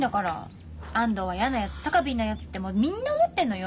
安藤はやなやつ高ビーなやつってみんな思ってんのよ。